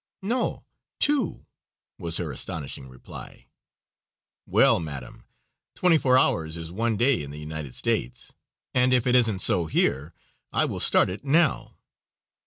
"No, two," was her astonishing reply. "Well, madame, twenty four hours is one day in the United States, and if it isn't so here, I will start it now."